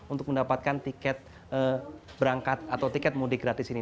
untuk mendapatkan tiket berangkat atau tiket mudik gratis ini